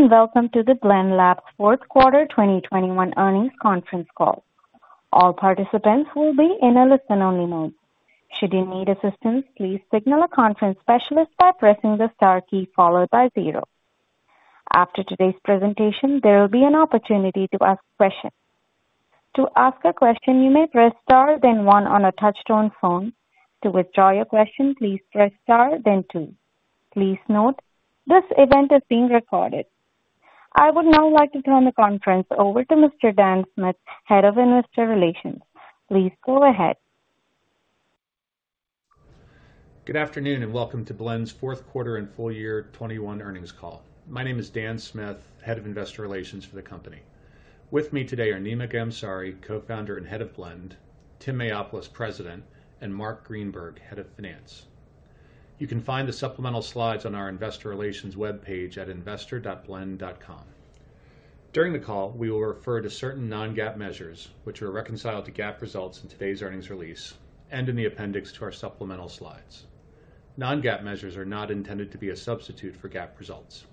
Good day, and welcome to the Blend Labs fourth quarter 2021 earnings conference call. All participants will be in a listen-only mode. Should you need assistance, please signal a conference specialist by pressing the star key followed by zero. After today's presentation, there will be an opportunity to ask questions. To ask a question, you may press star then one on a touch-tone phone. To withdraw your question, please press star then two. Please note, this event is being recorded. I would now like to turn the conference over to Mr. Dan Smith, Head of Investor Relations. Please go ahead. Good afternoon, and welcome to Blend's fourth quarter and full-year 2021 earnings call. My name is Dan Smith, Head of Investor Relations for the company. With me today are Nima Ghamsari, Co-founder and Head of Blend; Tim Mayopoulos, President; and Marc Greenberg, Head of Finance. You can find the supplemental slides on our investor relations webpage at investor.blend.com. During the call, we will refer to certain non-GAAP measures which are reconciled to GAAP results in today's earnings release and in the appendix to our supplemental slides. Non-GAAP measures are not intended to be a substitute for GAAP results.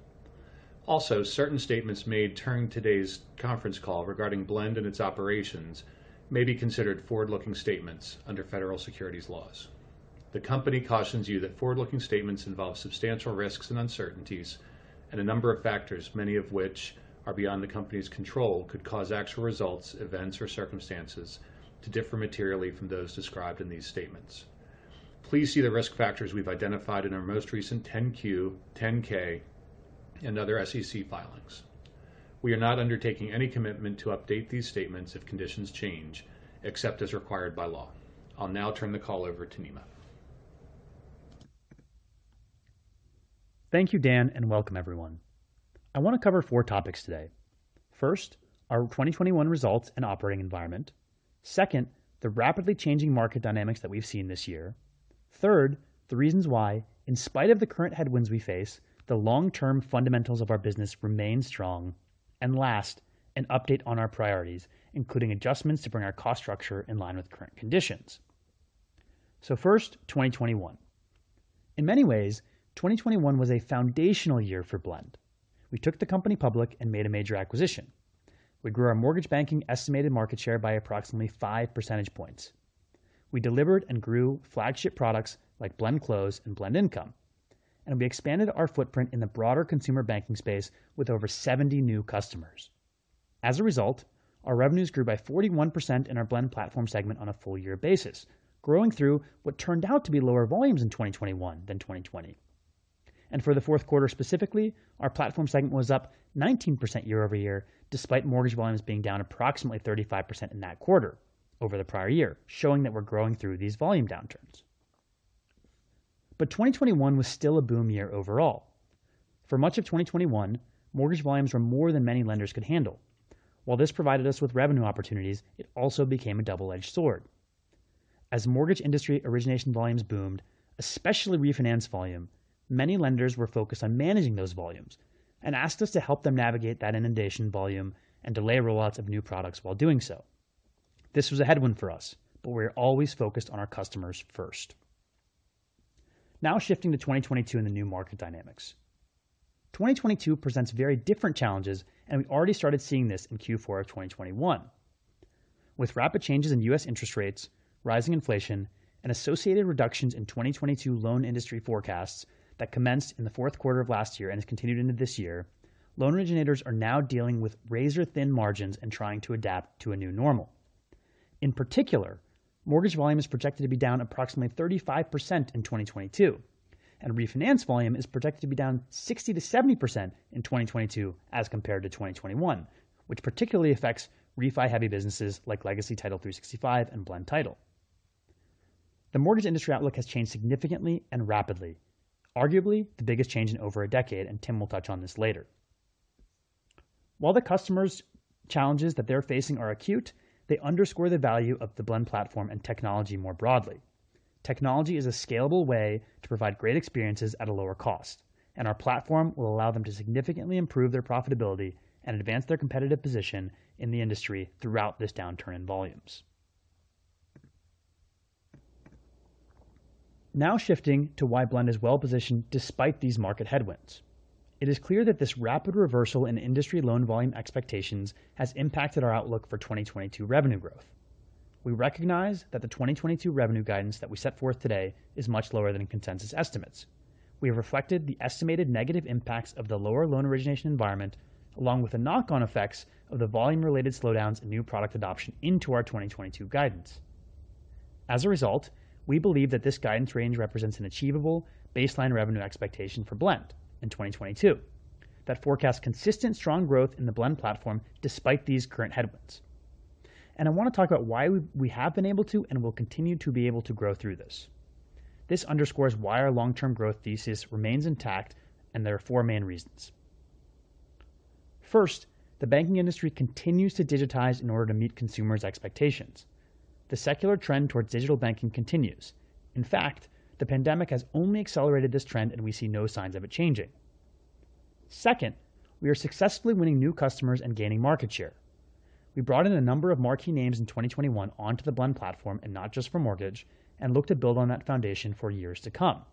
Also, certain statements made during today's conference call regarding Blend and its operations may be considered forward-looking statements under federal securities laws. The company cautions you that forward-looking statements involve substantial risks and uncertainties and a number of factors, many of which are beyond the company's control, could cause actual results, events or circumstances to differ materially from those described in these statements. Please see the risk factors we've identified in our most recent 10-Q, 10-K and other SEC filings. We are not undertaking any commitment to update these statements if conditions change except as required by law. I'll now turn the call over to Nima. Thank you, Dan, and welcome everyone. I wanna cover four topics today. First, our 2021 results and operating environment. Second, the rapidly changing market dynamics that we've seen this year. Third, the reasons why, in spite of the current headwinds we face, the long-term fundamentals of our business remain strong. Last, an update on our priorities, including adjustments to bring our cost structure in line with current conditions. First, 2021. In many ways, 2021 was a foundational year for Blend. We took the company public and made a major acquisition. We grew our mortgage banking estimated market share by approximately 5 percentage points. We delivered and grew flagship products like Blend Close and Blend Income. We expanded our footprint in the broader consumer banking space with over 70 new customers. As a result, our revenues grew by 41% in our Blend Platform segment on a full-year basis, growing through what turned out to be lower volumes in 2021 than 2020. For the fourth quarter specifically, our platform segment was up 19% year-over-year, despite mortgage volumes being down approximately 35% in that quarter over the prior year, showing that we're growing through these volume downturns. 2021 was still a boom year overall. For much of 2021, mortgage volumes were more than many lenders could handle. While this provided us with revenue opportunities, it also became a double-edged sword. As mortgage industry origination volumes boomed, especially refinance volume, many lenders were focused on managing those volumes and asked us to help them navigate that inundation volume and delay rollouts of new products while doing so. This was a headwind for us, but we're always focused on our customers first. Now shifting to 2022 and the new market dynamics. 2022 presents very different challenges, and we already started seeing this in Q4 of 2021. With rapid changes in U.S. interest rates, rising inflation and associated reductions in 2022 loan industry forecasts that commenced in the fourth quarter of last year and has continued into this year, loan originators are now dealing with razor-thin margins and trying to adapt to a new normal. In particular, mortgage volume is projected to be down approximately 35% in 2022, and refinance volume is projected to be down 60%-70% in 2022 as compared to 2021, which particularly affects refi-heavy businesses like Legacy Title365, and Blend Title. The mortgage industry outlook has changed significantly and rapidly, arguably the biggest change in over a decade, and Tim will touch on this later. While the customers' challenges that they're facing are acute, they underscore the value of the Blend Platform and technology more broadly. Technology is a scalable way to provide great experiences at a lower cost, and our platform will allow them to significantly improve their profitability and advance their competitive position in the industry throughout this downturn in volumes. Now shifting to why Blend is well-positioned despite these market headwinds. It is clear that this rapid reversal in industry loan volume expectations has impacted our outlook for 2022 revenue growth. We recognize that the 2022 revenue guidance that we set forth today is much lower than consensus estimates. We have reflected the estimated negative impacts of the lower loan origination environment along with the knock-on effects of the volume-related slowdowns and new product adoption into our 2022 guidance. As a result, we believe that this guidance range represents an achievable baseline revenue expectation for Blend in 2022 that forecasts consistent strong growth in the Blend Platform despite these current headwinds. I wanna talk about why we have been able to and will continue to be able to grow through this. This underscores why our long-term growth thesis remains intact, and there are four main reasons. First, the banking industry continues to digitize in order to meet consumers' expectations. The secular trend towards digital banking continues. In fact, the pandemic has only accelerated this trend, and we see no signs of it changing. Second, we are successfully winning new customers and gaining market share. We brought in a number of marquee names in 2021 onto the Blend Platform, and not just for mortgage, and look to build on that foundation for years to come.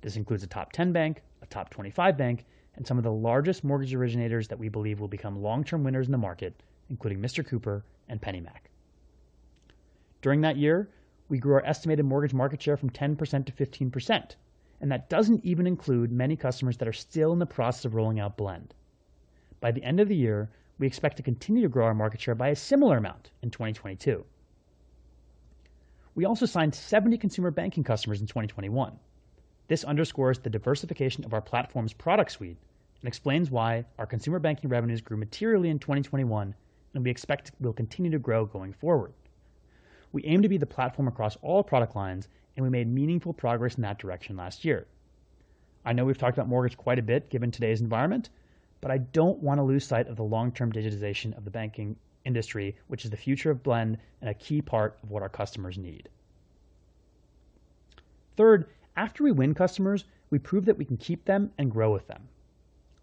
This includes a top 10 bank, a top 25 bank, and some of the largest mortgage originators that we believe will become long-term winners in the market, including Mr. Cooper and PennyMac. During that year, we grew our estimated mortgage market share from 10% to 15%, and that doesn't even include many customers that are still in the process of rolling out Blend. By the end of the year, we expect to continue to grow our market share by a similar amount in 2022. We also signed 70 consumer banking customers in 2021. This underscores the diversification of our platform's product suite and explains why our consumer banking revenues grew materially in 2021, and we expect will continue to grow going forward. We aim to be the platform across all product lines, and we made meaningful progress in that direction last year. I know we've talked about mortgage quite a bit given today's environment, but I don't want to lose sight of the long-term digitization of the banking industry, which is the future of Blend and a key part of what our customers need. Third, after we win customers, we prove that we can keep them and grow with them.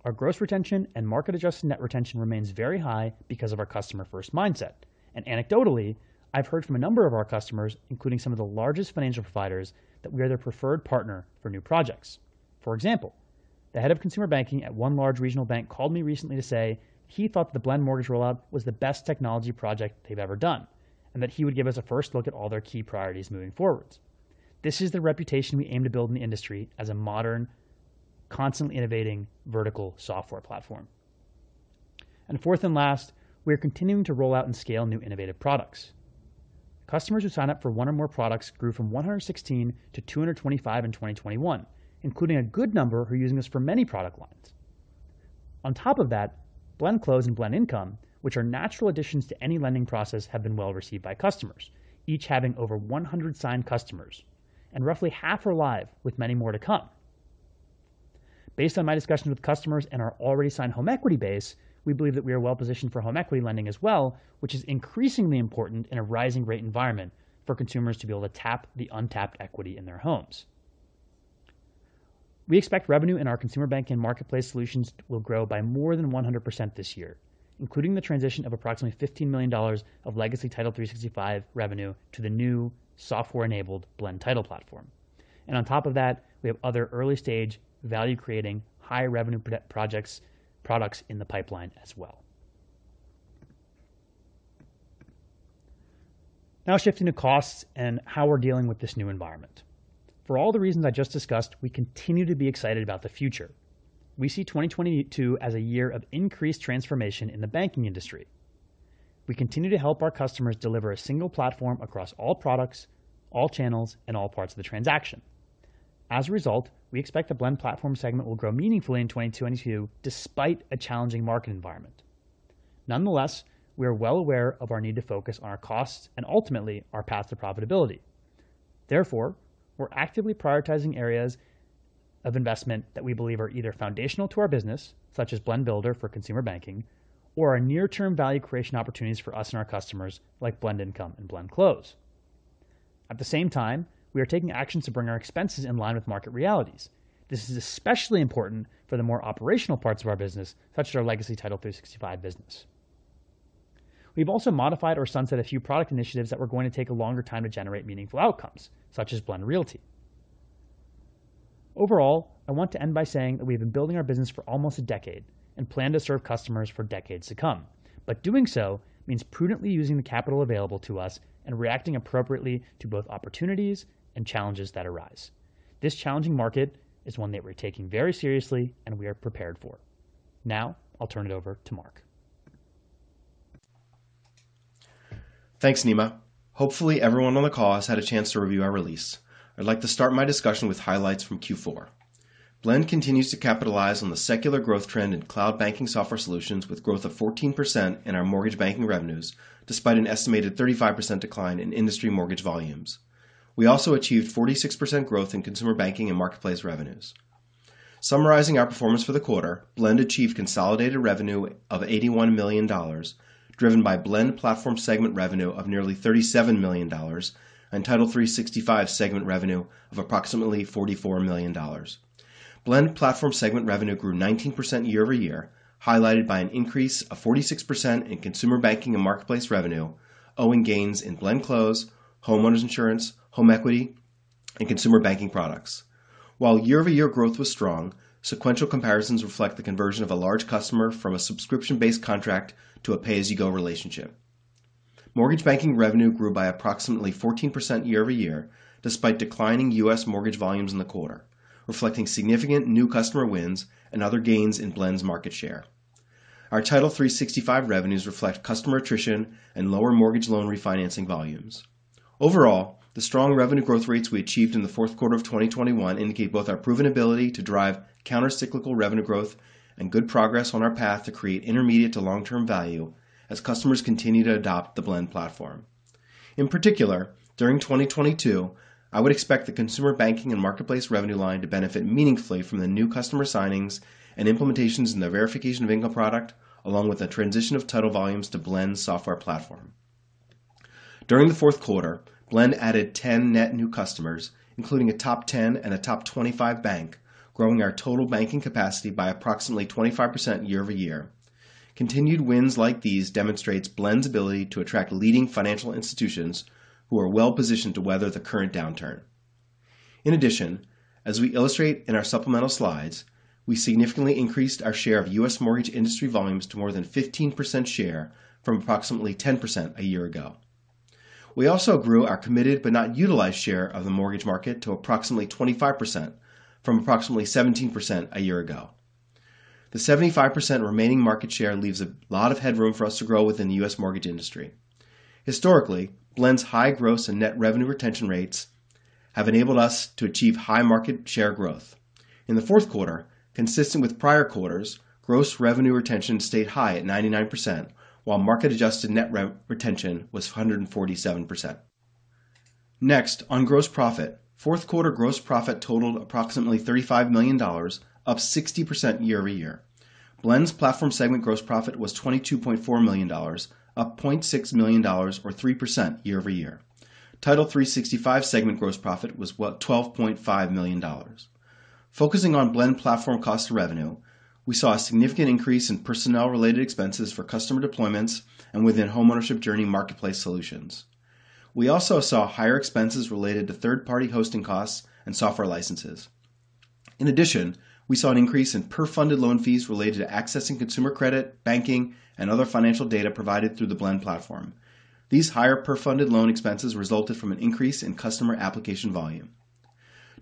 Our gross retention and market-adjusted net retention remains very high because of our customer-first mindset. Anecdotally, I've heard from a number of our customers, including some of the largest financial providers, that we are their preferred partner for new projects. For example, the head of consumer banking at one large regional bank called me recently to say he thought the Blend mortgage rollout was the best technology project they've ever done, and that he would give us a first look at all their key priorities moving forward. This is the reputation we aim to build in the industry as a modern, constantly innovating vertical software platform. Fourth and last, we are continuing to roll out and scale new innovative products. Customers who sign up for one or more products grew from 116 to 225 in 2021, including a good number who are using us for many product lines. On top of that, Blend Close and Blend Income, which are natural additions to any lending process, have been well-received by customers, each having over 100 signed customers, and roughly half are live with many more to come. Based on my discussions with customers and our already signed home equity base, we believe that we are well-positioned for home equity lending as well, which is increasingly important in a rising rate environment for consumers to be able to tap the untapped equity in their homes. We expect revenue in our consumer banking and marketplace solutions will grow by more than 100% this year, including the transition of approximately $15 million of Legacy Title365 revenue to the new software-enabled Blend Title platform. On top of that, we have other early-stage value-creating high-revenue products in the pipeline as well. Now shifting to costs and how we're dealing with this new environment. For all the reasons I just discussed, we continue to be excited about the future. We see 2022 as a year of increased transformation in the banking industry. We continue to help our customers deliver a single platform across all products, all channels, and all parts of the transaction. As a result, we expect the Blend Platform segment will grow meaningfully in 2022 despite a challenging market environment. Nonetheless, we are well aware of our need to focus on our costs and ultimately our path to profitability. Therefore, we're actively prioritizing areas of investment that we believe are either foundational to our business, such as Blend Builder for consumer banking, or are near-term value creation opportunities for us and our customers, like Blend Income and Blend Close. At the same time, we are taking actions to bring our expenses in line with market realities. This is especially important for the more operational parts of our business, such as our Legacy Title365 business. We've also modified or sunset a few product initiatives that were going to take a longer time to generate meaningful outcomes, such as Blend Realty. Overall, I want to end by saying that we have been building our business for almost a decade and plan to serve customers for decades to come. Doing so means prudently using the capital available to us and reacting appropriately to both opportunities and challenges that arise. This challenging market is one that we're taking very seriously, and we are prepared for. Now, I'll turn it over to Marc. Thanks, Nima. Hopefully, everyone on the call has had a chance to review our release. I'd like to start my discussion with highlights from Q4. Blend continues to capitalize on the secular growth trend in cloud banking software solutions with growth of 14% in our mortgage banking revenues, despite an estimated 35% decline in industry mortgage volumes. We also achieved 46% growth in consumer banking and marketplace revenues. Summarizing our performance for the quarter, Blend achieved consolidated revenue of $81 million, driven by Blend Platform segment revenue of nearly $37 million and Title365 segment revenue of approximately $44 million. Blend Platform segment revenue grew 19% year-over-year, highlighted by an increase of 46% in consumer banking and marketplace revenue, owing to gains in Blend Close, homeowners insurance, home equity, and consumer banking products. While year-over-year growth was strong, sequential comparisons reflect the conversion of a large customer from a subscription-based contract to a pay-as-you-go relationship. Mortgage banking revenue grew by approximately 14% year-over-year, despite declining U.S. mortgage volumes in the quarter, reflecting significant new customer wins and other gains in Blend's market share. Our Title365 revenues reflect customer attrition and lower mortgage loan refinancing volumes. Overall, the strong revenue growth rates we achieved in the fourth quarter of 2021 indicate both our proven ability to drive counter-cyclical revenue growth and good progress on our path to create intermediate to long-term value as customers continue to adopt the Blend Platform. In particular, during 2022, I would expect the consumer banking and marketplace revenue line to benefit meaningfully from the new customer signings and implementations in the income verification product, along with the transition of title volumes to Blend's software platform. During the fourth quarter, Blend added 10 net new customers, including a top 10 and a top 25 bank, growing our total banking capacity by approximately 25% year-over-year. Continued wins like these demonstrates Blend's ability to attract leading financial institutions who are well-positioned to weather the current downturn. In addition, as we illustrate in our supplemental slides, we significantly increased our share of U.S. mortgage industry volumes to more than 15% share from approximately 10% a year ago. We also grew our committed but not utilized share of the mortgage market to approximately 25% from approximately 17% a year ago. The 75% remaining market share leaves a lot of headroom for us to grow within the U.S. mortgage industry. Historically, Blend's high gross and net revenue retention rates have enabled us to achieve high market share growth. In the fourth quarter, consistent with prior quarters, gross revenue retention stayed high at 99%, while market-adjusted net revenue retention was 147%. Next, on gross profit. Fourth quarter gross profit totaled approximately $35 million, up 60% year-over-year. Blend Platform segment gross profit was $22.4 million, up $0.6 million or 3% year-over-year. Title365 segment gross profit was $12.5 million. Focusing on Blend Platform cost of revenue, we saw a significant increase in personnel-related expenses for customer deployments and within homeownership journey marketplace solutions. We also saw higher expenses related to third-party hosting costs and software licenses. In addition, we saw an increase in per funded loan fees related to accessing consumer credit, banking, and other financial data provided through the Blend Platform. These higher per funded loan expenses resulted from an increase in customer application volume.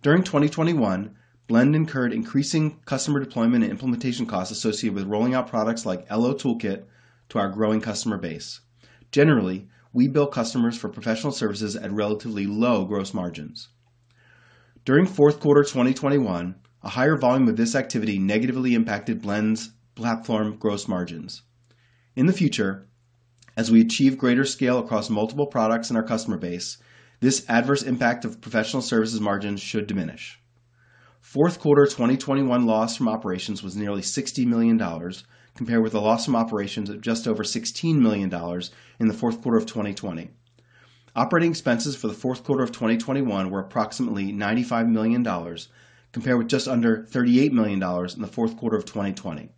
During 2021, Blend incurred increasing customer deployment and implementation costs associated with rolling out products like LO Toolkit to our growing customer base. Generally, we bill customers for professional services at relatively low gross margins. During fourth quarter 2021, a higher volume of this activity negatively impacted Blend's Platform gross margins. In the future, as we achieve greater scale across multiple products in our customer base, this adverse impact of professional services margins should diminish. Fourth quarter 2021 loss from operations was nearly $60 million, compared with a loss from operations of just over $16 million in the fourth quarter of 2020. Operating expenses for the fourth quarter of 2021 were approximately $95 million, compared with just under $38 million in the fourth quarter of 2020.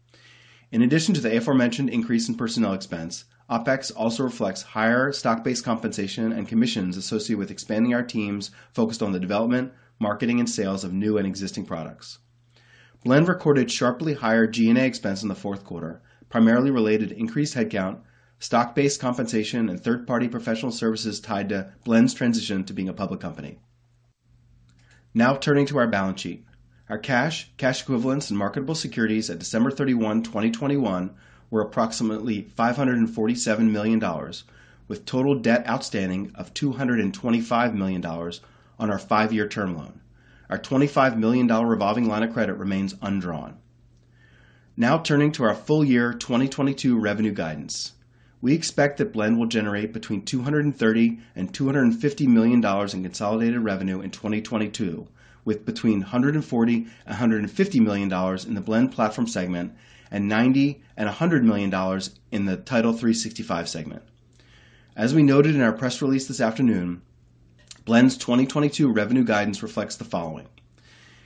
In addition to the aforementioned increase in personnel expense, OpEx also reflects higher stock-based compensation and commissions associated with expanding our teams focused on the development, marketing, and sales of new and existing products. Blend recorded sharply higher G&A expense in the fourth quarter, primarily related to increased headcount, stock-based compensation, and third-party professional services tied to Blend's transition to being a public company. Now turning to our balance sheet. Our cash equivalents and marketable securities at December 31, 2021 were approximately $547 million, with total debt outstanding of $225 million on our five-year term loan. Our $25 million revolving line of credit remains undrawn. Now turning to our full-year 2022 revenue guidance. We expect that Blend will generate between $230 million and $250 million in consolidated revenue in 2022, with between $140 million and $150 million in the Blend Platform segment and $90 million-$100 million in the Title365 segment. As we noted in our press release this afternoon, Blend's 2022 revenue guidance reflects the following.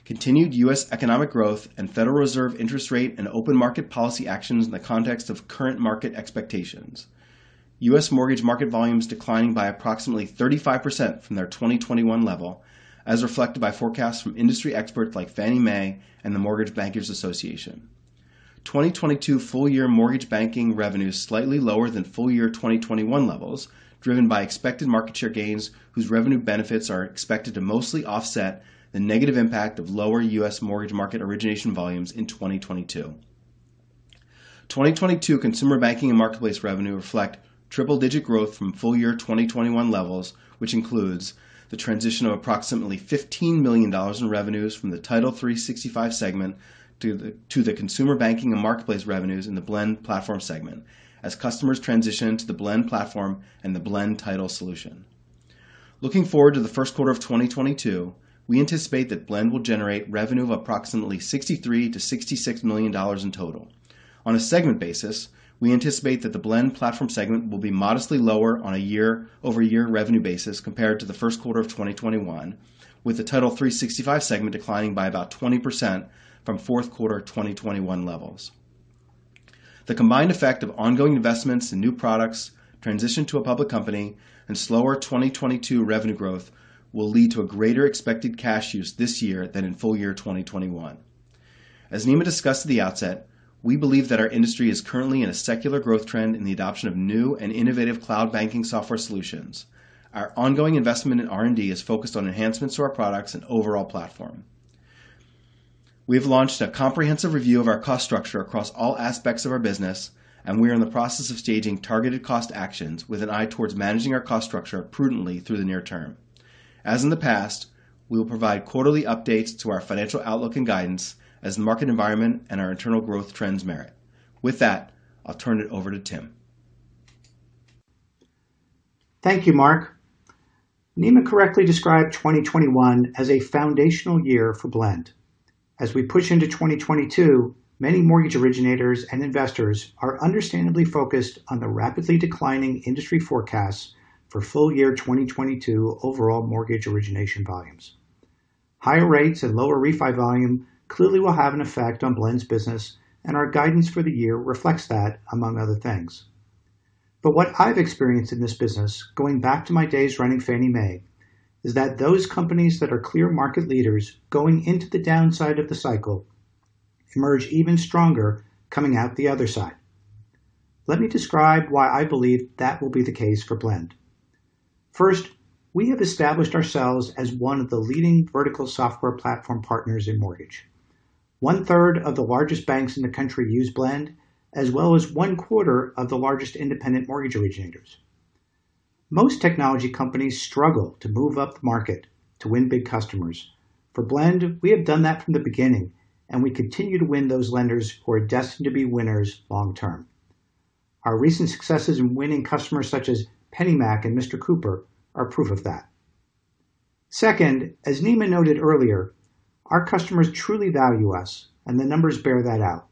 Continued U.S. economic growth and Federal Reserve interest rate and open market policy actions in the context of current market expectations. U.S. mortgage market volumes declining by approximately 35% from their 2021 level, as reflected by forecasts from industry experts like Fannie Mae and the Mortgage Bankers Association. 2022 full-year mortgage banking revenues slightly lower than full-year 2021 levels, driven by expected market share gains whose revenue benefits are expected to mostly offset the negative impact of lower U.S. mortgage market origination volumes in 2022. 2022 consumer banking and marketplace revenue reflect triple-digit growth from full-year 2021 levels, which includes the transition of approximately $15 million in revenues from the Title365 segment to the consumer banking and marketplace revenues in the Blend Platform segment as customers transition to the Blend Platform and the Blend Title solution. Looking forward to the first quarter of 2022, we anticipate that Blend will generate revenue of approximately $63 million-$66 million in total. On a segment basis, we anticipate that the Blend Platform segment will be modestly lower on a year-over-year revenue basis compared to the first quarter of 2021, with the Title365 segment declining by about 20% from fourth quarter 2021 levels. The combined effect of ongoing investments in new products, transition to a public company, and slower 2022 revenue growth will lead to a greater expected cash use this year than in full-year 2021. As Nima discussed at the outset, we believe that our industry is currently in a secular growth trend in the adoption of new and innovative cloud banking software solutions. Our ongoing investment in R&D is focused on enhancements to our products and overall platform. We have launched a comprehensive review of our cost structure across all aspects of our business, and we are in the process of staging targeted cost actions with an eye towards managing our cost structure prudently through the near term. As in the past, we will provide quarterly updates to our financial outlook and guidance as the market environment and our internal growth trends merit. With that, I'll turn it over to Tim. Thank you, Marc. Nima correctly described 2021 as a foundational year for Blend. As we push into 2022, many mortgage originators and investors are understandably focused on the rapidly declining industry forecasts for full-year 2022 overall mortgage origination volumes. Higher rates and lower refi volume clearly will have an effect on Blend's business, and our guidance for the year reflects that, among other things. What I've experienced in this business, going back to my days running Fannie Mae, is that those companies that are clear market leaders going into the downside of the cycle emerge even stronger coming out the other side. Let me describe why I believe that will be the case for Blend. First, we have established ourselves as one of the leading vertical software platform partners in mortgage. 1/3 of the largest banks in the country use Blend, as well as 1/4 of the largest independent mortgage originators. Most technology companies struggle to move up the market to win big customers. For Blend, we have done that from the beginning, and we continue to win those lenders who are destined to be winners long term. Our recent successes in winning customers such as PennyMac and Mr. Cooper are proof of that. Second, as Nima noted earlier, our customers truly value us, and the numbers bear that out.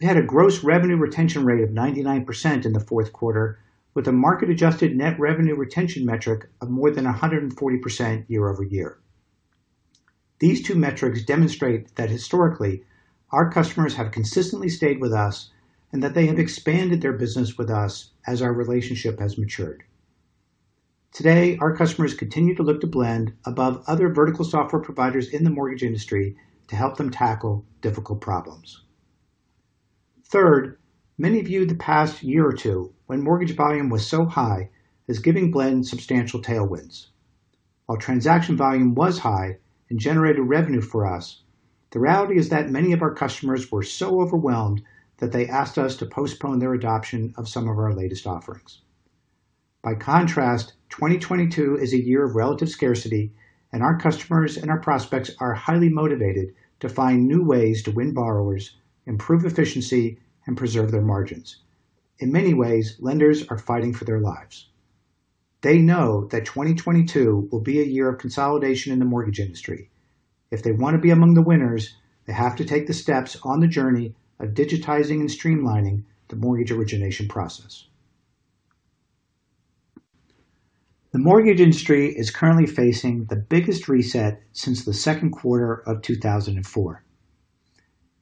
We had a gross revenue retention rate of 99% in the fourth quarter, with a market-adjusted net revenue retention metric of more than 140% year-over-year. These two metrics demonstrate that historically, our customers have consistently stayed with us and that they have expanded their business with us as our relationship has matured. Today, our customers continue to look to Blend above other vertical software providers in the mortgage industry to help them tackle difficult problems. Third, many viewed the past year or two when mortgage volume was so high as giving Blend substantial tailwinds. While transaction volume was high and generated revenue for us, the reality is that many of our customers were so overwhelmed that they asked us to postpone their adoption of some of our latest offerings. By contrast, 2022 is a year of relative scarcity, and our customers and our prospects are highly motivated to find new ways to win borrowers, improve efficiency, and preserve their margins. In many ways, lenders are fighting for their lives. They know that 2022 will be a year of consolidation in the mortgage industry. If they want to be among the winners, they have to take the steps on the journey of digitizing and streamlining the mortgage origination process. The mortgage industry is currently facing the biggest reset since the second quarter of 2004.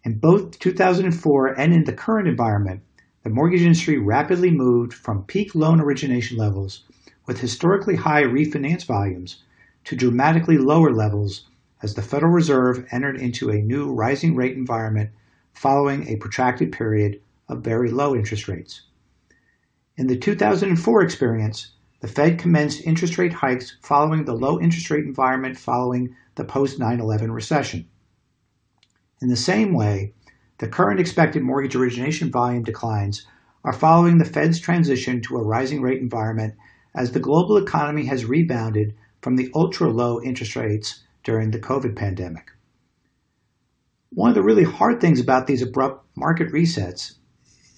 In both 2004 and in the current environment, the mortgage industry rapidly moved from peak loan origination levels with historically high refinance volumes to dramatically lower levels as the Federal Reserve entered into a new rising rate environment following a protracted period of very low interest rates. In the 2004 experience, the Fed commenced interest rate hikes following the low interest rate environment following the post-9/11 recession. In the same way, the current expected mortgage origination volume declines are following the Fed's transition to a rising rate environment as the global economy has rebounded from the ultra-low interest rates during the COVID pandemic. One of the really hard things about these abrupt market resets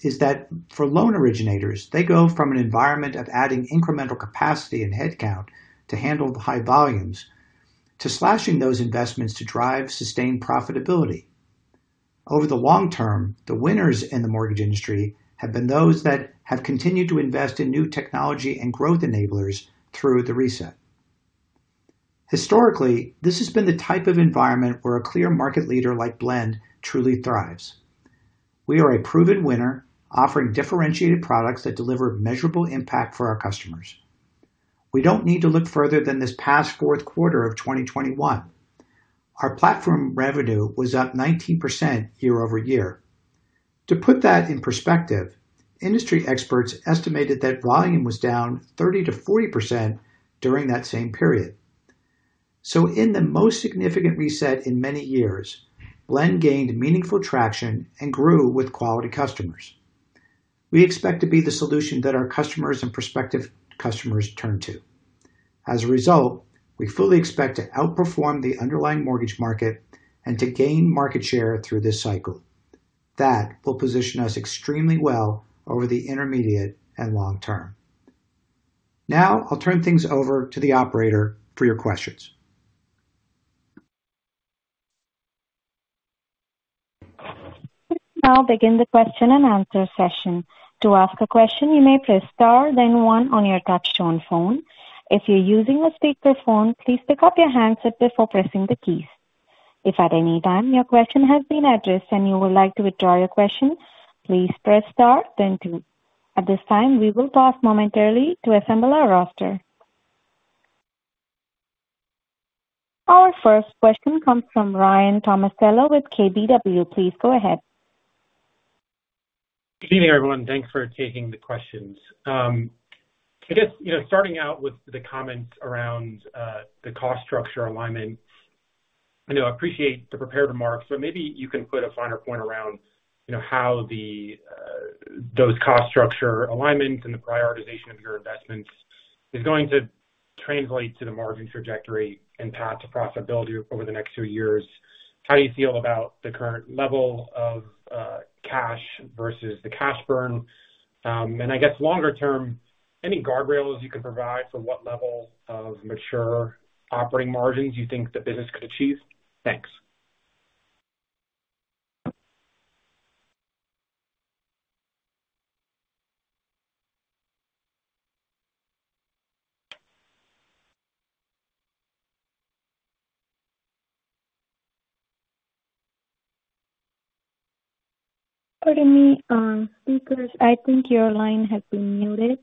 is that for loan originators, they go from an environment of adding incremental capacity and headcount to handle the high volumes to slashing those investments to drive sustained profitability. Over the long term, the winners in the mortgage industry have been those that have continued to invest in new technology and growth enablers through the reset. Historically, this has been the type of environment where a clear market leader like Blend truly thrives. We are a proven winner offering differentiated products that deliver measurable impact for our customers. We don't need to look further than this past fourth quarter of 2021. Our platform revenue was up 19% year-over-year. To put that in perspective, industry experts estimated that volume was down 30%-40% during that same period. In the most significant reset in many years, Blend gained meaningful traction and grew with quality customers. We expect to be the solution that our customers and prospective customers turn to. As a result, we fully expect to outperform the underlying mortgage market and to gain market share through this cycle. That will position us extremely well over the intermediate and long term. Now, I'll turn things over to the operator for your questions. We'll now begin the question-and-answer session. To ask a question, you may press star then one on your touchtone phone. If you're using a speakerphone, please pick up your handset before pressing the keys. If at any time your question has been addressed and you would like to withdraw your question, please press star then two. At this time, we will pause momentarily to assemble our roster. Our first question comes from Ryan Tomasello with KBW. Please go ahead. Good evening, everyone. Thanks for taking the questions. I guess, you know, starting out with the comments around, the cost structure alignment. I know, appreciate the prepared remarks, but maybe you can put a finer point around, you know, how the, those cost structure alignment and the prioritization of your investments is going to translate to the margin trajectory and path to profitability over the next few years. How do you feel about the current level of, cash versus the cash burn? And I guess longer term, any guardrails you can provide for what level of mature operating margins you think the business could achieve? Thanks. Pardon me, speakers. I think your line has been muted.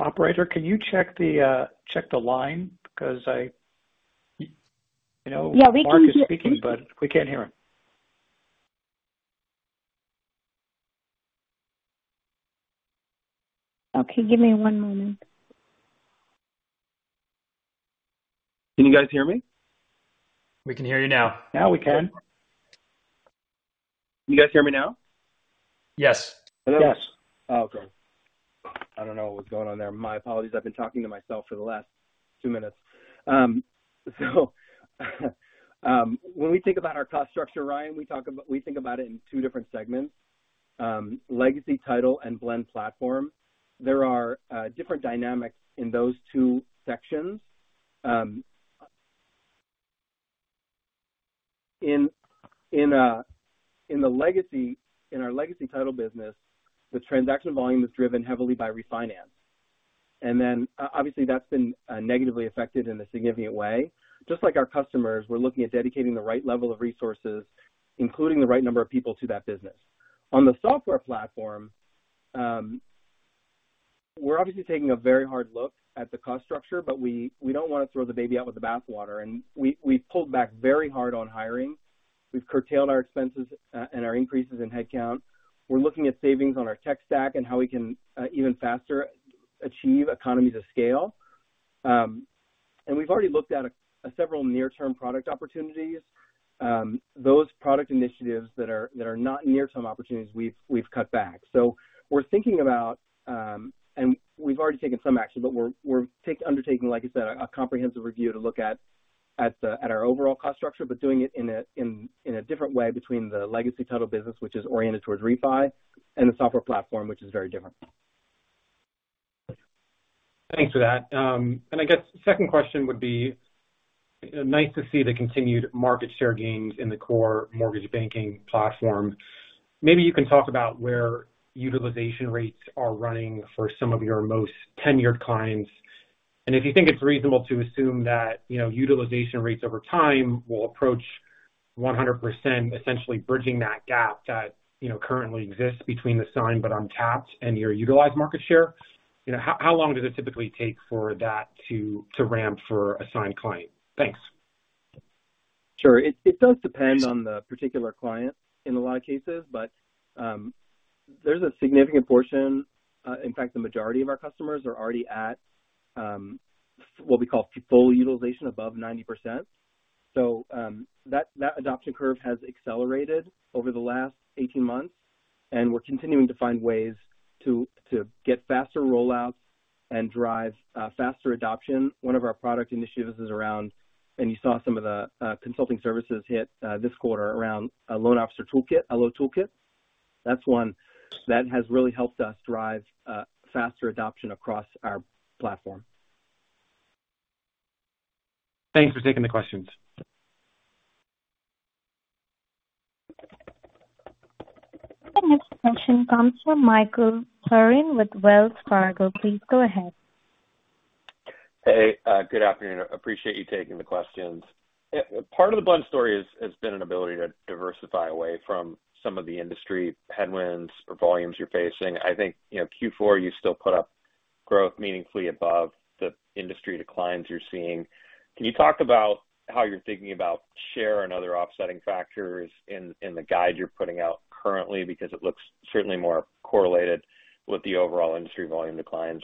Operator, can you check the line? Marc is speaking, but we can't hear him. Okay, give me one moment. Can you guys hear me? We can hear you now. Now we can. You guys hear me now? Yes. Yes. Okay. I don't know what's going on there. My apologies. I've been talking to myself for the last two minutes. When we think about our cost structure, Ryan, we think about it in two different segments, Legacy Title and Blend Platform. There are different dynamics in those two sections. In our Legacy Title business, the transaction volume is driven heavily by refinance. Then obviously, that's been negatively affected in a significant way. Just like our customers, we're looking at dedicating the right level of resources, including the right number of people to that business. On the software platform, we're obviously taking a very hard look at the cost structure, but we don't want to throw the baby out with the bath water. We've pulled back very hard on hiring. We've curtailed our expenses, and our increases in headcount. We're looking at savings on our tech stack and how we can even faster achieve economies of scale. We've already looked at several near-term product opportunities. Those product initiatives that are not near-term opportunities, we've cut back. We're thinking about, and we've already taken some action, but we're undertaking, like you said, a comprehensive review to look at our overall cost structure, but doing it in a different way between the Legacy Title business, which is oriented towards refi and the software platform, which is very different. Thanks for that. I guess second question would be, nice to see the continued market share gains in the core mortgage banking platform. Maybe you can talk about where utilization rates are running for some of your most tenured clients. If you think it's reasonable to assume that, you know, utilization rates over time will approach 100%, essentially bridging that gap that, you know, currently exists between the signed but untapped and your utilized market share. You know, how long does it typically take for that to ramp for a signed client? Thanks. Sure. It does depend on the particular client in a lot of cases, but there's a significant portion, in fact, the majority of our customers are already at what we call full utilization above 90%. That adoption curve has accelerated over the last 18 months, and we're continuing to find ways to get faster rollouts and drive faster adoption. One of our product initiatives is around, and you saw some of the consulting services hit this quarter around a loan officer toolkit, a LO Toolkit. That's one that has really helped us drive faster adoption across our platform. Thanks for taking the questions. The next question comes from Michael Turrin with Wells Fargo. Please go ahead. Hey, good afternoon. Appreciate you taking the questions. Part of the Blend story has been an ability to diversify away from some of the industry headwinds or volumes you're facing. I think, you know, Q4, you still put up growth meaningfully above the industry declines you're seeing. Can you talk about how you're thinking about share and other offsetting factors in the guide you're putting out currently? Because it looks certainly more correlated with the overall industry volume declines.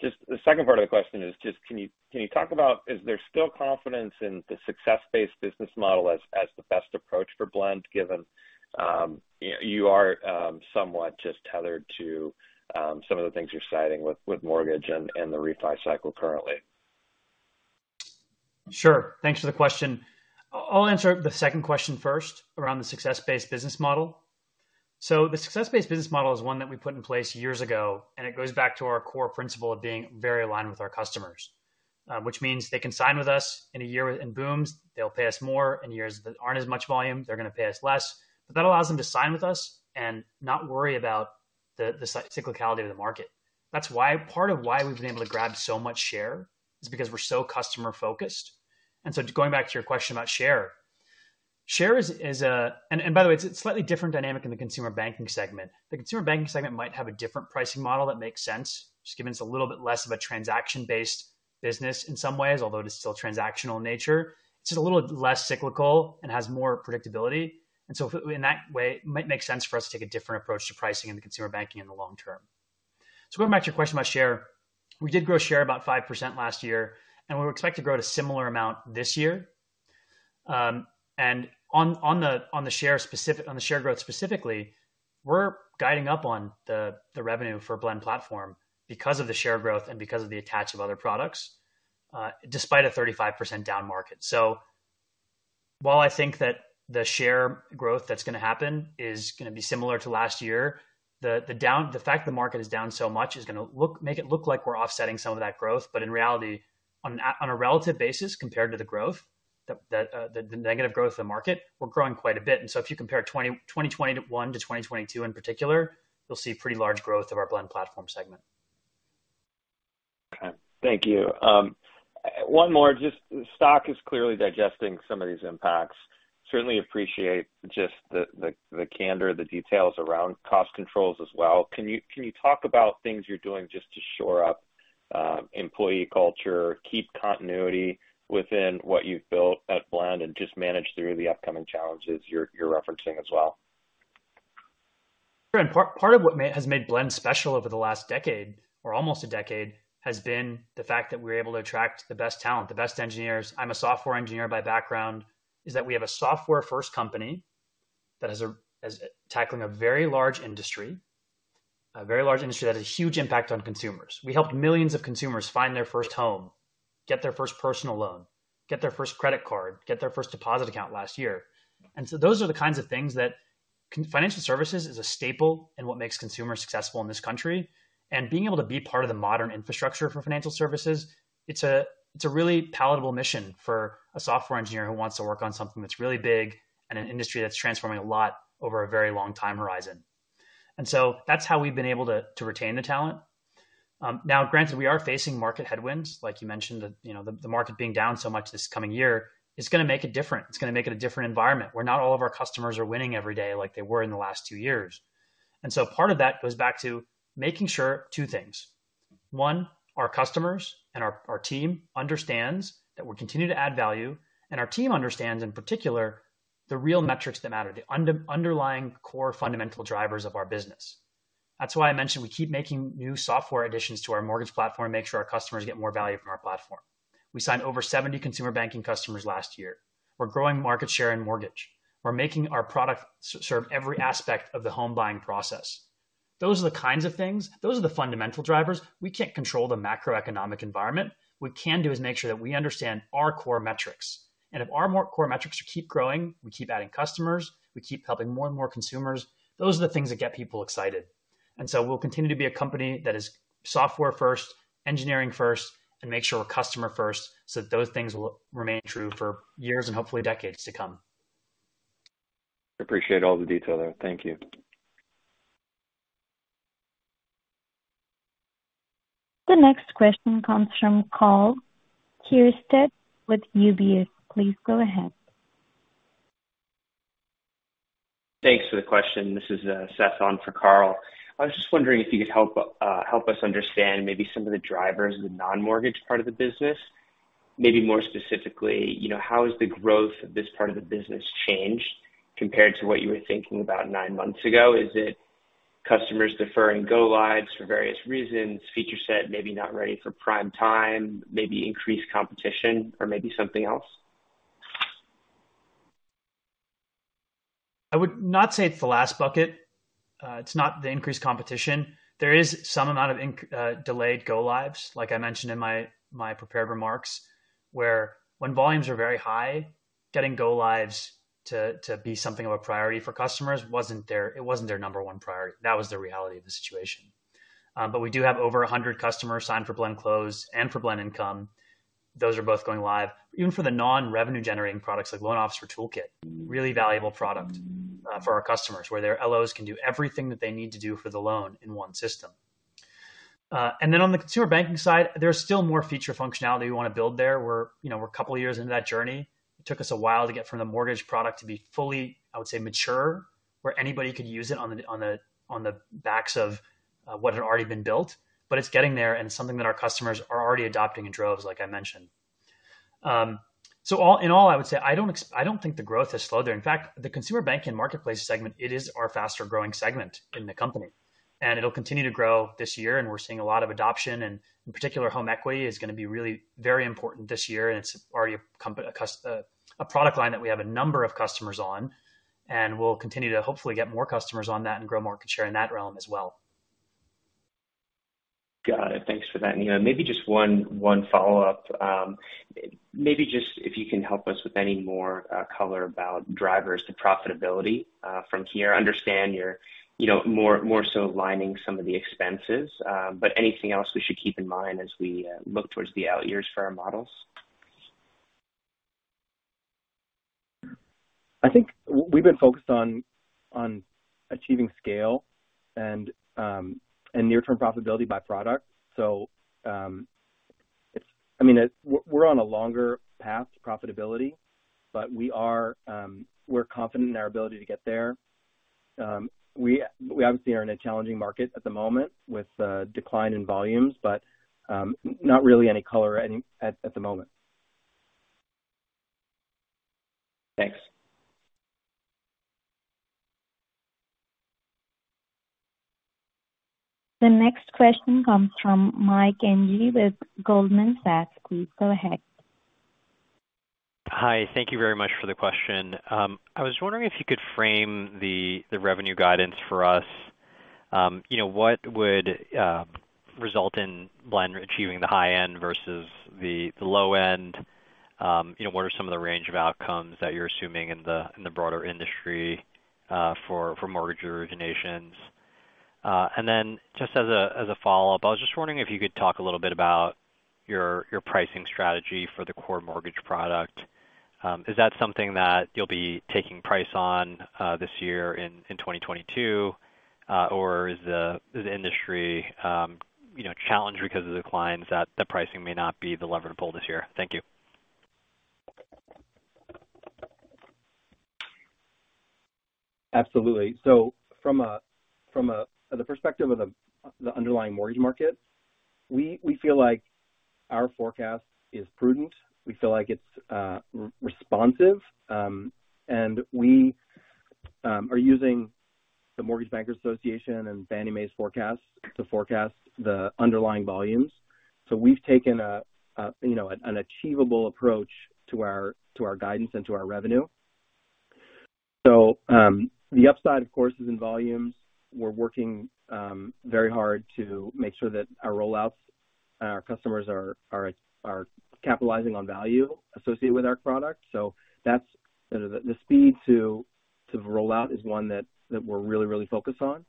Just the second part of the question is just can you talk about is there still confidence in the success-based business model as the best approach for Blend, given, you know, you are somewhat just tethered to some of the things you're citing with mortgage and the refi cycle currently? Sure. Thanks for the question. I'll answer the second question first around the success-based business model. The success-based business model is one that we put in place years ago, and it goes back to our core principle of being very aligned with our customers, which means they can sign with us in a year in booms, they'll pay us more. In years that aren't as much volume, they're gonna pay us less. But that allows them to sign with us and not worry about the cyclicality of the market. That's why. Part of why we've been able to grab so much share is because we're so customer-focused. Going back to your question about share. Share is a- By the way, it's a slightly different dynamic in the Consumer Banking segment. The Consumer Banking segment might have a different pricing model that makes sense, just given it's a little bit less of a transaction-based business in some ways, although it is still transactional in nature. It's just a little less cyclical and has more predictability. In that way, it might make sense for us to take a different approach to pricing in the Consumer Banking in the long term. Going back to your question about share, we did grow share about 5% last year, and we expect to grow at a similar amount this year. On the share growth specifically, we're guiding up on the revenue for Blend Platform because of the share growth and because of the attach of other products, despite a 35% down market. While I think that the share growth that's gonna happen is gonna be similar to last year, the fact the market is down so much is gonna make it look like we're offsetting some of that growth. In reality, on a relative basis compared to the negative growth of the market, we're growing quite a bit. If you compare 2020 to 2021 to 2022 in particular, you'll see pretty large growth of our Blend Platform segment. Okay. Thank you. One more. Just the stock is clearly digesting some of these impacts. Certainly appreciate just the candor, the details around cost controls as well. Can you talk about things you're doing just to shore up employee culture, keep continuity within what you've built at Blend and just manage through the upcoming challenges you're referencing as well? Sure. Part of what has made Blend special over the last decade or almost a decade has been the fact that we're able to attract the best talent, the best engineers. I'm a software engineer by background. We have a software-first company that is tackling a very large industry that has a huge impact on consumers. We helped millions of consumers find their first home, get their first personal loan, get their first credit card, get their first deposit account last year. Those are the kinds of things that financial services is a staple in what makes consumers successful in this country. Being able to be part of the modern infrastructure for financial services, it's a really palatable mission for a software engineer who wants to work on something that's really big and an industry that's transforming a lot over a very long time horizon. That's how we've been able to retain the talent. Now granted, we are facing market headwinds, like you mentioned, you know, the market being down so much this coming year is gonna make it different. It's gonna make it a different environment where not all of our customers are winning every day like they were in the last two years. Part of that goes back to making sure two things. Our customers and our team understands that we're continuing to add value, and our team understands, in particular, the real metrics that matter, the underlying core fundamental drivers of our business. That's why I mentioned we keep making new software additions to our mortgage platform, make sure our customers get more value from our platform. We signed over 70 consumer banking customers last year. We're growing market share in mortgage. We're making our product serve every aspect of the home buying process. Those are the kinds of things. Those are the fundamental drivers. We can't control the macroeconomic environment. What we can do is make sure that we understand our core metrics. If our core metrics keep growing, we keep adding customers, we keep helping more and more consumers, those are the things that get people excited. We'll continue to be a company that is software first, engineering first, and make sure we're customer first, so those things will remain true for years and hopefully decades to come. Appreciate all the detail there. Thank you. The next question comes from Karl Keirstead with UBS. Please go ahead. Thanks for the question. This is Seth on for Karl Keirstead. I was just wondering if you could help us understand maybe some of the drivers of the non-mortgage part of the business. Maybe more specifically, you know, how has the growth of this part of the business changed compared to what you were thinking about nine months ago? Is it customers deferring go-lives for various reasons, feature set maybe not ready for prime time, maybe increased competition or maybe something else? I would not say it's the last bucket. It's not the increased competition. There is some amount of delayed go-lives, like I mentioned in my prepared remarks, where when volumes are very high, getting go-lives to be something of a priority for customers wasn't their number one priority. That was the reality of the situation. We do have over 100 customers signed for Blend Close and for Blend Income. Those are both going live. Even for the non-revenue generating products like Loan Officer Toolkit, really valuable product, for our customers, where their LOs can do everything that they need to do for the loan in one system. On the consumer banking side, there's still more feature functionality we want to build there. We're, you know, a couple of years into that journey. It took us a while to get from the mortgage product to be fully, I would say, mature, where anybody could use it on the backs of what had already been built. It's getting there and something that our customers are already adopting in droves, like I mentioned. All in all, I would say I don't think the growth has slowed there. In fact, the consumer banking marketplace segment, it is our faster-growing segment in the company, and it'll continue to grow this year, and we're seeing a lot of adoption. In particular, home equity is gonna be really very important this year, and it's already a product line that we have a number of customers on, and we'll continue to hopefully get more customers on that and grow market share in that realm as well. Got it. Thanks for that, Nima. Maybe just one follow-up. Maybe just if you can help us with any more color about drivers to profitability from here. I understand you're, you know, more so aligning some of the expenses, but anything else we should keep in mind as we look towards the out years for our models? I think we've been focused on achieving scale and near-term profitability by product. I mean, we're on a longer path to profitability, but we are, we're confident in our ability to get there. We obviously are in a challenging market at the moment with the decline in volumes, but not really any color at the moment. Thanks. The next question comes from Mike Ng with Goldman Sachs. Please go ahead. Hi. Thank you very much for the question. I was wondering if you could frame the revenue guidance for us. You know, what would result in Blend achieving the high end versus the low end? You know, what are some of the range of outcomes that you're assuming in the broader industry for mortgage originations? And then just as a follow-up, I was just wondering if you could talk a little bit about your pricing strategy for the core mortgage product. Is that something that you'll be taking price on this year in 2022? Or is the industry you know, challenged because of the declines that the pricing may not be the lever to pull this year? Thank you. Absolutely. From the perspective of the underlying mortgage market, we feel like our forecast is prudent. We feel like it's responsive. We are using the Mortgage Bankers Association and Fannie Mae's forecast to forecast the underlying volumes. We've taken you know, an achievable approach to our guidance and to our revenue. The upside, of course, is in volumes. We're working very hard to make sure that our rollouts and our customers are capitalizing on value associated with our product. That's the speed to roll out is one that we're really focused on.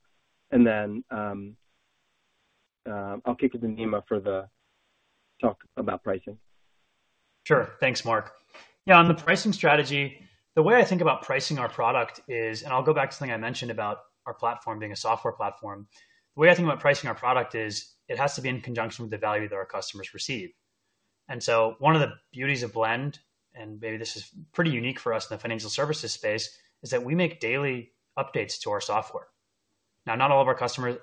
I'll kick it to Nima for the talk about pricing. Sure. Thanks, Marc. Yeah, on the pricing strategy, the way I think about pricing our product is, and I'll go back to something I mentioned about our platform being a software platform. The way I think about pricing our product is it has to be in conjunction with the value that our customers receive. One of the beauties of Blend, and maybe this is pretty unique for us in the financial services space, is that we make daily updates to our software. Now, not all of our customers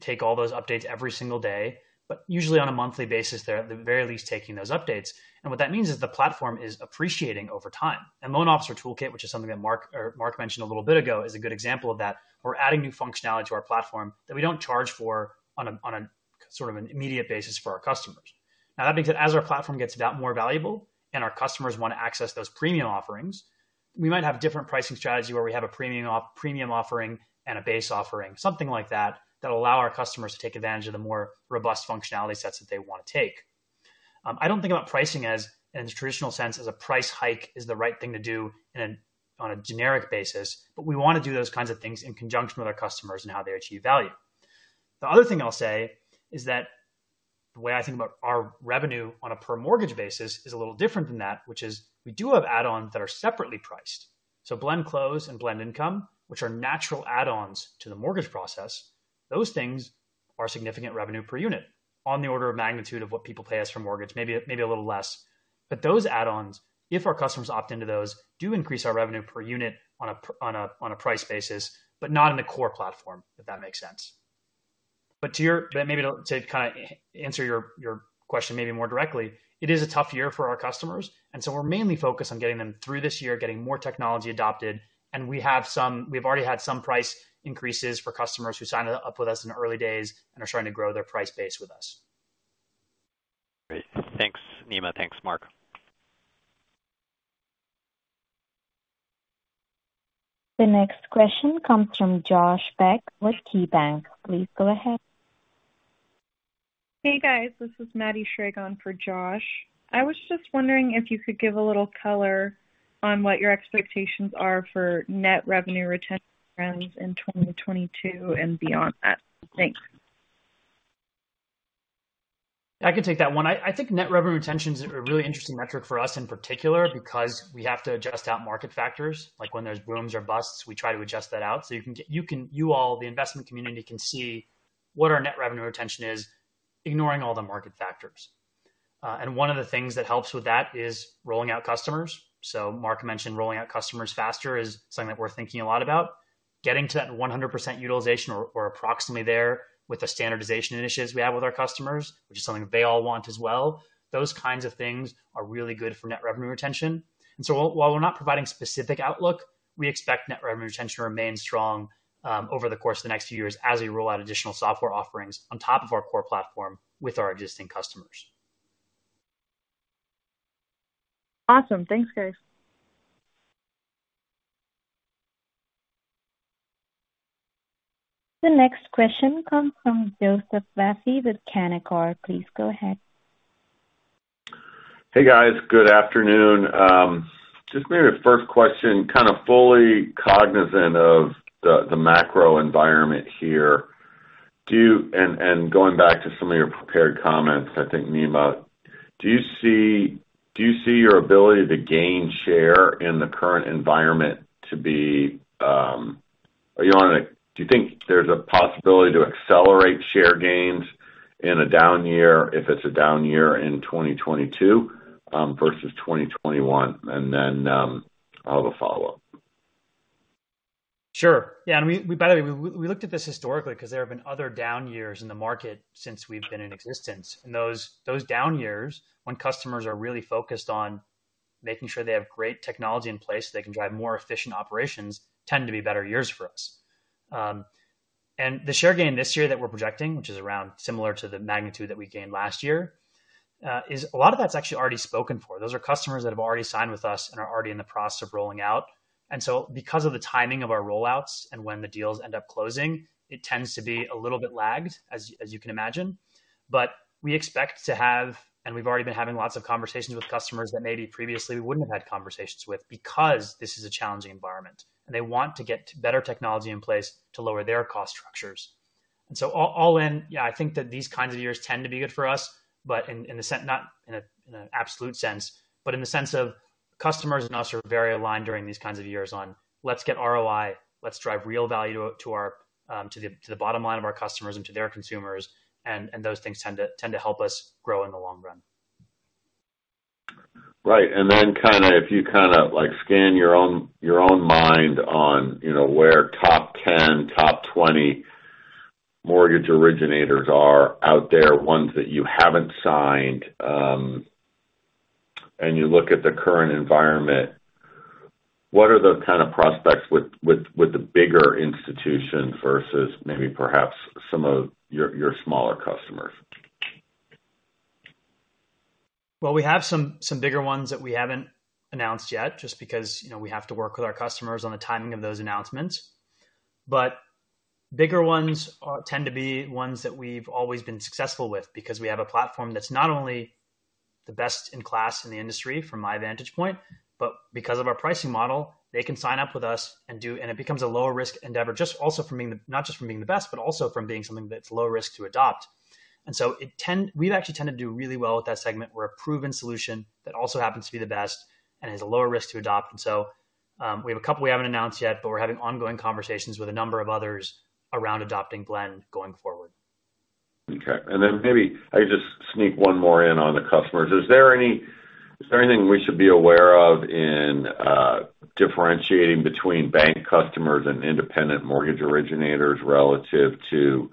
take all those updates every single day, but usually on a monthly basis, they're at the very least taking those updates. What that means is the platform is appreciating over time. Loan Officer Toolkit, which is something that Marc mentioned a little bit ago, is a good example of that. We're adding new functionality to our platform that we don't charge for on a sort of immediate basis for our customers. Now, that means that as our platform gets that more valuable and our customers wanna access those premium offerings, we might have different pricing strategy where we have a premium offering and a base offering, something like that allow our customers to take advantage of the more robust functionality sets that they wanna take. I don't think about pricing as in the traditional sense, as a price hike is the right thing to do on a generic basis. We wanna do those kinds of things in conjunction with our customers and how they achieve value. The other thing I'll say is that the way I think about our revenue on a per mortgage basis is a little different than that, which is we do have add-ons that are separately priced. Blend Close and Blend Income, which are natural add-ons to the mortgage process. Those things are significant revenue per unit on the order of magnitude of what people pay us for mortgage, maybe a little less. Those add-ons, if our customers opt into those, do increase our revenue per unit on a price basis, but not in the core platform, if that makes sense. To your question maybe more directly, it is a tough year for our customers, and so we're mainly focused on getting them through this year, getting more technology adopted. We've already had some price increases for customers who signed up with us in the early days and are starting to grow their price base with us. Great. Thanks, Nima. Thanks, Marc. The next question comes from Josh Beck with KeyBanc. Please go ahead. Hey, guys. This is Maddie Schrage for Josh. I was just wondering if you could give a little color on what your expectations are for net revenue retention trends in 2022 and beyond that. Thanks. I can take that one. I think net revenue retention is a really interesting metric for us in particular because we have to adjust out market factors, like when there's booms or busts, we try to adjust that out. You all, the investment community, can see what our net revenue retention is, ignoring all the market factors. One of the things that helps with that is rolling out customers. Marc mentioned rolling out customers faster is something that we're thinking a lot about. Getting to that 100% utilization or approximately there with the standardization initiatives we have with our customers, which is something that they all want as well. Those kinds of things are really good for net revenue retention. While we're not providing specific outlook, we expect net revenue retention to remain strong over the course of the next few years as we roll out additional software offerings on top of our core platform with our existing customers. Awesome. Thanks, guys. The next question comes from Joseph Vafi with Canaccord. Please go ahead. Hey, guys. Good afternoon. Just maybe the first question, kind of fully cognizant of the macro environment here. Going back to some of your prepared comments, I think, Nima. Do you see your ability to gain share in the current environment to be, are you on it? Do you think there's a possibility to accelerate share gains in a down year if it's a down year in 2022 versus 2021? Then, I'll have a follow-up. Sure. Yeah. We by the way looked at this historically because there have been other down years in the market since we've been in existence. Those down years when customers are really focused on making sure they have great technology in place, so they can drive more efficient operations tend to be better years for us. The share gain this year that we're projecting, which is around similar to the magnitude that we gained last year, is a lot of that's actually already spoken for. Those are customers that have already signed with us and are already in the process of rolling out. Because of the timing of our rollouts and when the deals end up closing, it tends to be a little bit lagged as you can imagine. We expect to have, and we've already been having lots of conversations with customers that maybe previously we wouldn't have had conversations with because this is a challenging environment. They want to get better technology in place to lower their cost structures. All in, yeah, I think that these kinds of years tend to be good for us, but not in an absolute sense, but in the sense of customers and us are very aligned during these kinds of years on let's get ROI, let's drive real value to our, to the bottom line of our customers and to their consumers. Those things tend to help us grow in the long run. Right. If you kinda like scan your own mind on, you know, where top 10, top 20 mortgage originators are out there, ones that you haven't signed, and you look at the current environment, what are the kind of prospects with the bigger institutions versus maybe perhaps some of your smaller customers? Well, we have some bigger ones that we haven't announced yet just because, you know, we have to work with our customers on the timing of those announcements. Bigger ones tend to be ones that we've always been successful with because we have a platform that's not only the best in class in the industry from my vantage point, but because of our pricing model, they can sign up with us. It becomes a lower risk endeavor, just, also not just from being the best, but also from being something that's low risk to adopt. We've actually tended to do really well with that segment. We're a proven solution that also happens to be the best and is a lower risk to adopt. We have a couple we haven't announced yet, but we're having ongoing conversations with a number of others around adopting Blend going forward. Okay. Maybe I just sneak one more in on the customers. Is there anything we should be aware of in differentiating between bank customers and independent mortgage originators relative to,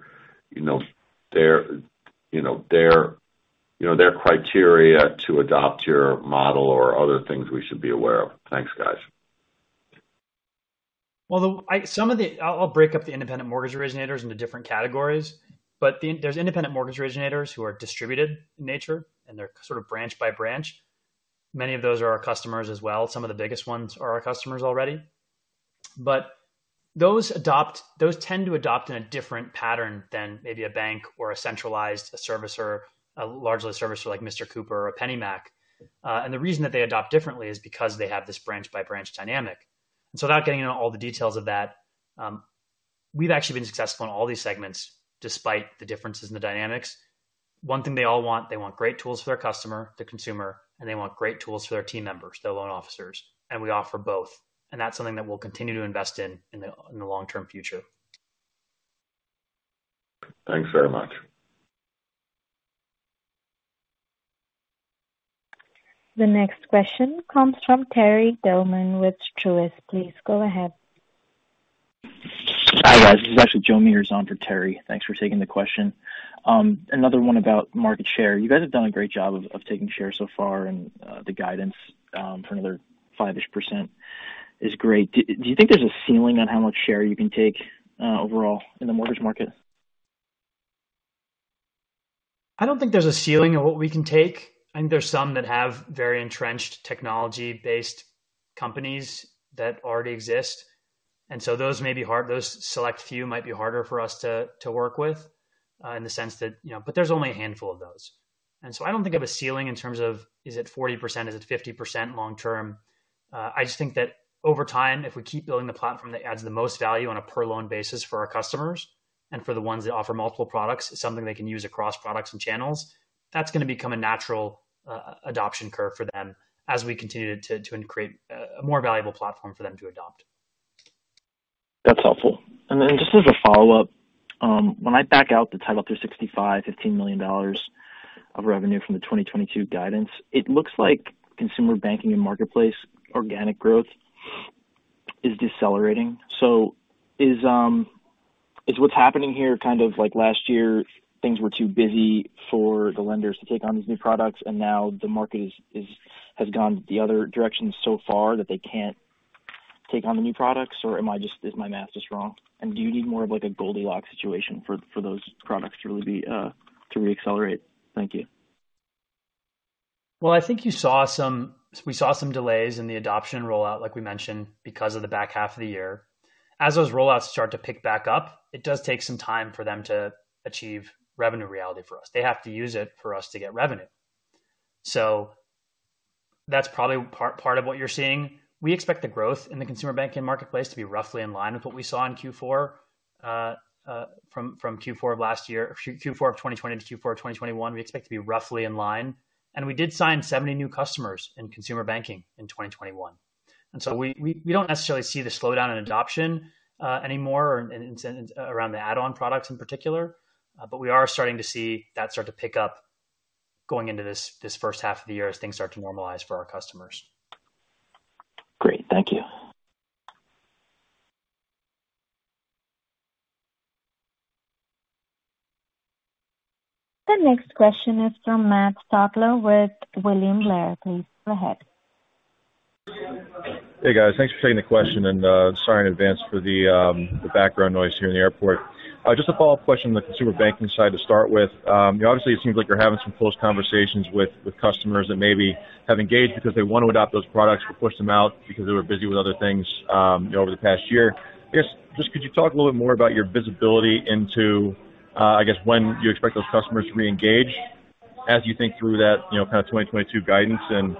you know, their criteria to adopt your model or other things we should be aware of? Thanks, guys. I'll break up the independent mortgage originators into different categories. There's independent mortgage originators who are distributed in nature, and they're sort of branch by branch. Many of those are our customers as well. Some of the biggest ones are our customers already. Those tend to adopt in a different pattern than maybe a bank or a centralized servicer, a large listed servicer like Mr. Cooper or PennyMac. The reason that they adopt differently is because they have this branch by branch dynamic. Without getting into all the details of that, we've actually been successful in all these segments despite the differences in the dynamics. One thing they all want, they want great tools for their customer, the consumer, and they want great tools for their team members, their loan officers. We offer both. That's something that we'll continue to invest in the long-term future. Thanks very much. The next question comes from Terry Tillman with Truist. Please go ahead. Hi, guys. This is actually Joe Meares for Terry. Thanks for taking the question. Another one about market share. You guys have done a great job of taking share so far and the guidance for another 5%-ish is great. Do you think there's a ceiling on how much share you can take overall in the mortgage market? I don't think there's a ceiling on what we can take. I think there's some that have very entrenched technology-based companies that already exist, and so those may be hard. Those select few might be harder for us to work with in the sense that, you know. There's only a handful of those. I don't think of a ceiling in terms of is it 40%, is it 50% long term. I just think that over time, if we keep building the platform that adds the most value on a per loan basis for our customers and for the ones that offer multiple products, it's something they can use across products and channels, that's gonna become a natural adoption curve for them as we continue to increase a more valuable platform for them to adopt. That's helpful. Just as a follow-up, when I back out the Title365, $15 million of revenue from the 2022 guidance, it looks like consumer banking and marketplace organic growth is decelerating. Is what's happening here kind of like last year, things were too busy for the lenders to take on these new products, and now the market has gone the other direction so far that they can't take on the new products? Or is my math just wrong? Do you need more of like a Goldilocks situation for those products to really reaccelerate? Thank you. Well, I think we saw some delays in the adoption rollout, like we mentioned, because of the back half of the year. As those rollouts start to pick back up, it does take some time for them to achieve revenue reality for us. They have to use it for us to get revenue. So that's probably part of what you're seeing. We expect the growth in the consumer banking marketplace to be roughly in line with what we saw in Q4. From Q4 of last year, Q4 of 2020 to Q4 of 2021, we expect to be roughly in line. We did sign 70 new customers in consumer banking in 2021. We don't necessarily see the slowdown in adoption anymore or in and around the add-on products in particular. We are starting to see that start to pick up going into this first half of the year as things start to normalize for our customers. Great. Thank you. The next question is from Matt Stotler with William Blair. Please go ahead. Hey, guys. Thanks for taking the question, and sorry in advance for the background noise here in the airport. Just a follow-up question on the consumer banking side to start with. You know, obviously it seems like you're having some close conversations with customers that maybe have engaged because they want to adopt those products but pushed them out because they were busy with other things, you know, over the past year. I guess, just could you talk a little bit more about your visibility into, I guess when you expect those customers to reengage as you think through that, you know, kind of 2022 guidance and, you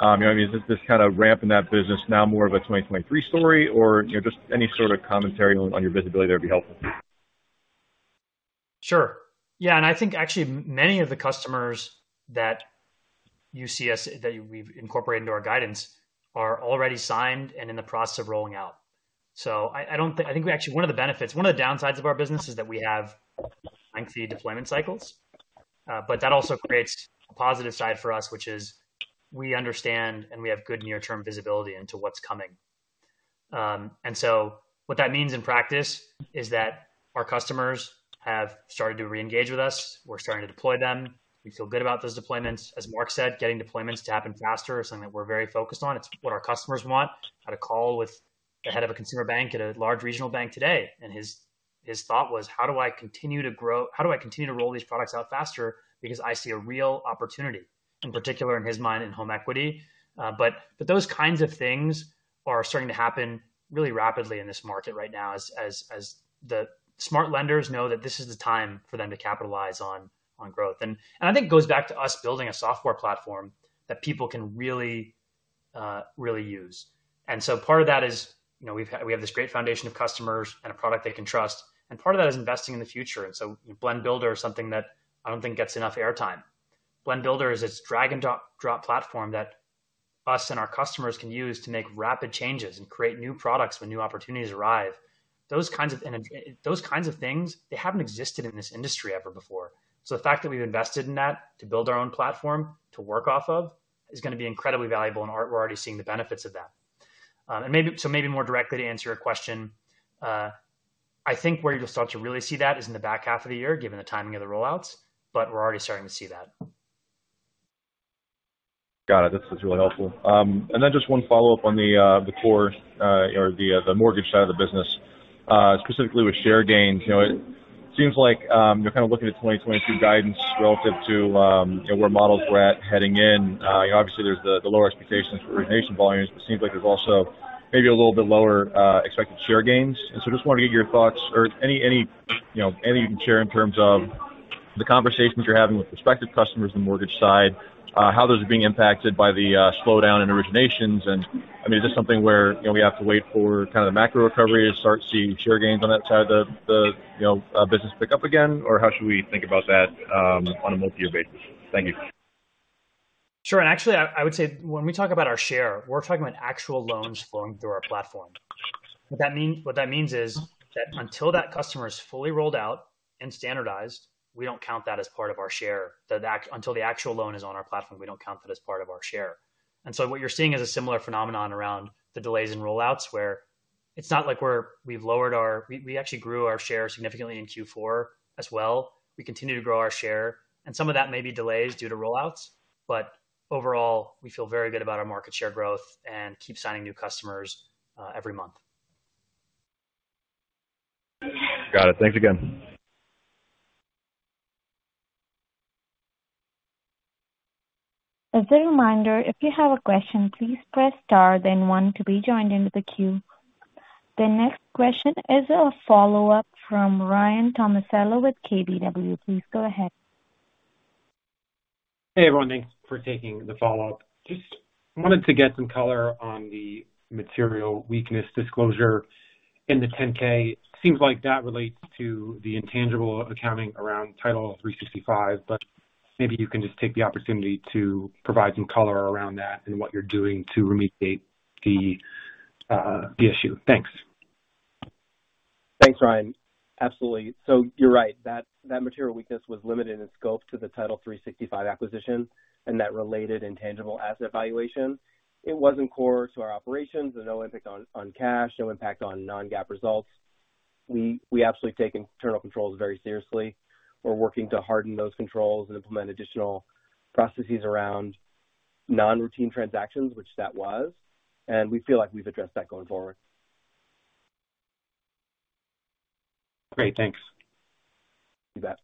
know, I mean, is this kind of ramp in that business now more of a 2023 story or, you know, just any sort of commentary on your visibility there would be helpful? Sure. Yeah, I think actually many of the customers that we've incorporated into our guidance are already signed and in the process of rolling out. I think, actually, one of the downsides of our business is that we have lengthy deployment cycles. That also creates a positive side for us, which is we understand and we have good near-term visibility into what's coming. What that means in practice is that our customers have started to reengage with us. We're starting to deploy them. We feel good about those deployments. As Marc said, getting deployments to happen faster is something that we're very focused on. It's what our customers want. Had a call with the head of a consumer bank at a large regional bank today, and his thought was, "How do I continue to roll these products out faster? Because I see a real opportunity." In particular, in his mind, in home equity. But those kinds of things are starting to happen really rapidly in this market right now as the smart lenders know that this is the time for them to capitalize on growth. I think it goes back to us building a software platform that people can really use. Part of that is, you know, we have this great foundation of customers and a product they can trust, and part of that is investing in the future. Blend Builder is something that I don't think gets enough airtime. Blend Builder is this drag-and-drop platform that us and our customers can use to make rapid changes and create new products when new opportunities arrive. Those kinds of things, they haven't existed in this industry ever before. The fact that we've invested in that to build our own platform to work off of is gonna be incredibly valuable, and we're already seeing the benefits of that. Maybe more directly to answer your question, I think where you'll start to really see that is in the back half of the year, given the timing of the rollouts, but we're already starting to see that. Got it. This was really helpful. Just one follow-up on the core or the mortgage side of the business, specifically with share gains. You know, it seems like you're kind of looking at 2022 guidance relative to, you know, where models were at heading in. You know, obviously there's the lower expectations for origination volumes, but it seems like there's also maybe a little bit lower expected share gains. Just wanted to get your thoughts or any you can share in terms of the conversations you're having with prospective customers on the mortgage side, how those are being impacted by the slowdown in originations. I mean, is this something where, you know, we have to wait for kind of the macro recovery to start to see share gains on that side of the, you know, business pick up again? Or how should we think about that, on a multi-year basis? Thank you. Sure. Actually, I would say when we talk about our share, we're talking about actual loans flowing through our platform. What that means is that until that customer is fully rolled out and standardized, we don't count that as part of our share. Until the actual loan is on our platform, we don't count that as part of our share. What you're seeing is a similar phenomenon around the delays in rollouts, where it's not like we've lowered our share. We actually grew our share significantly in Q4 as well. We continue to grow our share, and some of that may be delays due to rollouts, but overall, we feel very good about our market share growth and keep signing new customers every month. Got it. Thanks again. As a reminder, if you have a question, please press star then one to be joined into the queue. The next question is a follow-up from Ryan Tomasello with KBW. Please go ahead. Hey, everyone. Thanks for taking the follow-up. Just wanted to get some color on the material weakness disclosure in the 10-K. Seems like that relates to the intangible accounting around Title365, but maybe you can just take the opportunity to provide some color around that and what you're doing to remediate the issue. Thanks. Thanks, Ryan. Absolutely. You're right. That material weakness was limited in scope to the Title365 acquisition and that related intangible asset valuation. It wasn't core to our operations. No impact on cash, no impact on non-GAAP results. We absolutely take internal controls very seriously. We're working to harden those controls and implement additional processes around non-routine transactions, which was, and we feel like we've addressed that going forward. Great. Thanks. You bet.